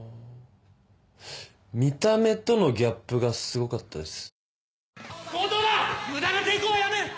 見た目とのギャップがすごかったです。